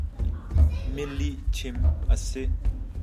Mi lih chim a si.